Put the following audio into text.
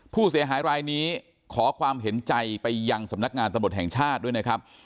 ผู้เสียหายรายนี้ขอความเห็นใจไปยังสำนักงานตำรวจแห่งชาติด้วยนะครับ